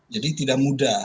jadi tidak mudah